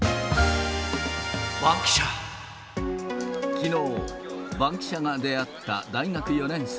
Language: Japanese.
きのう、バンキシャが出会った大学４年生。